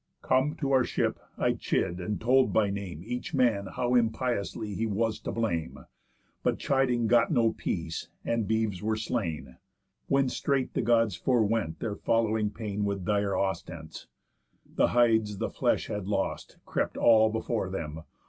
Come to our ship, I chid and told by name Each man how impiously he was to blame. But chiding got no peace, and beeves were slain! When straight the Gods forewent their following pain With dire ostents. The hides the flesh had lost Crept all before them.